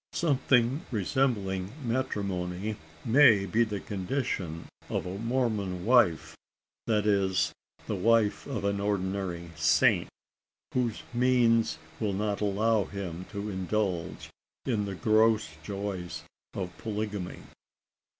Something resembling matrimony may be the condition of a Mormon wife that is, the wife of an ordinary "Saint," whose means will not allow him to indulge in the gross joys of polygamy.